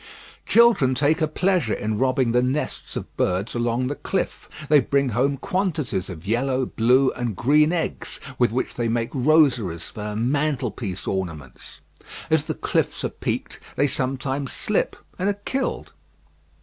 Children take a pleasure in robbing the nests of birds along the cliff. They bring home quantities of yellow, blue, and green eggs, with which they make rosaries for mantelpiece ornaments. As the cliffs are peaked, they sometimes slip and are killed.